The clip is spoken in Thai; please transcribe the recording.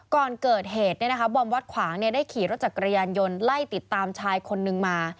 ก่อนเกิดเหตุบอมวัดขวางได้ขี่รถจักรยานยนต์ไล่ติดตามชายคนนึงมา